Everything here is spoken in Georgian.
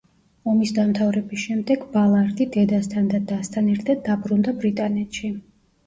ომის დამთავრების შემდეგ, ბალარდი დედასთან და დასთან ერთად დაბრუნდა ბრიტანეთში.